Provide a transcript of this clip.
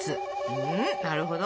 うんなるほど。